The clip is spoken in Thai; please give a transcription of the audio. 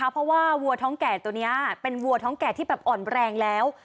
เพราะว่าวัวท้องแก่ตัวนี้เป็นวัวท้องแก่ที่แบบอ่อนแรงแล้ว